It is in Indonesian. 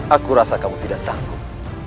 aku rasa kamu tidak sanggup